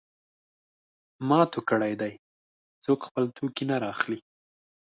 ما تو کړی دی؛ څوک خپل توکی نه رااخلي.